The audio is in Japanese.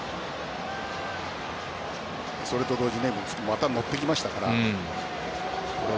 それと同時にまた乗ってきましたから。